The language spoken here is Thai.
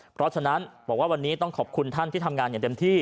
เพราะฉะนั้นบอกว่าวันนี้ต้องขอบคุณท่านที่ทำงานอย่างเต็มที่